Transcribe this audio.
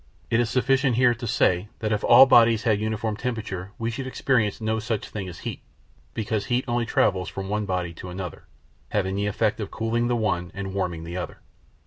It is sufficient here to say that if all bodies had a uniform temperature we should experience no such thing as heat, because heat only travels from one body to another, having the effect of cooling the one and warming the other.